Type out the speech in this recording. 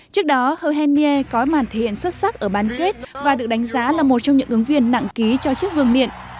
trước đó he hen nie có màn thể hiện xuất sắc ở ban kết và được đánh giá là một trong những ứng viên nặng ký cho chiếc vườn miệng